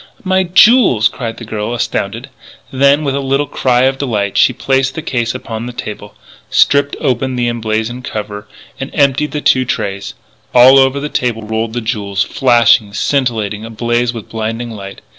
"My jewels!" cried the girl, astounded. Then, with a little cry of delight, she placed the case upon the table, stripped open the emblazoned cover, and emptied the two trays. All over the table rolled the jewels, flashing, scintillating, ablaze with blinding light.